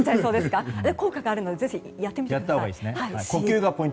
効果があるのでぜひやってみてください。